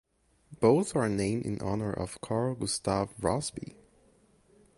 Both are named in honor of Carl-Gustav Rossby.